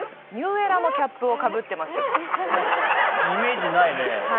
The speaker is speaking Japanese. イメージないね。